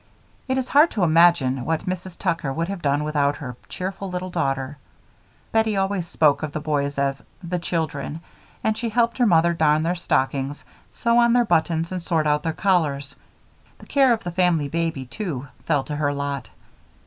It is hard to imagine what Mrs. Tucker would have done without her cheerful little daughter. Bettie always spoke of the boys as "the children," and she helped her mother darn their stockings, sew on their buttons, and sort out their collars. The care of the family baby, too, fell to her lot.